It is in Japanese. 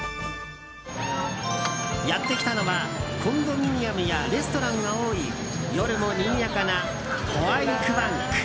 やってきたのはコンドミニアムやレストランが多い夜もにぎやかな、ホアイクワン区。